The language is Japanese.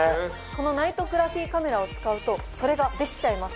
このナイトグラフィーカメラを使うとそれができちゃいます。